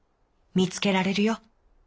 「みつけられるよ。